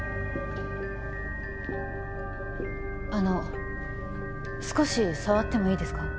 あの少し触ってもいいですか？